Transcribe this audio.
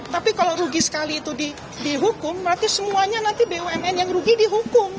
tapi kalau rugi sekali itu dihukum berarti semuanya nanti bumn yang rugi dihukum